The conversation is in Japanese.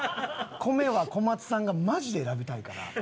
米は小松さんがマジで選びたいから。